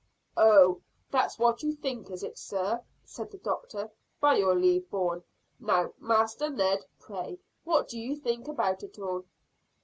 "Oh, that's what you think, is it, sir?" said the doctor. "By your leave, Bourne! Now, Master Ned, pray what do you think about it all?"